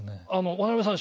渡辺さん